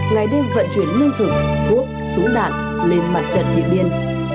ngày đêm vận chuyển lương thực thuốc súng đạn lên mặt trần điện biên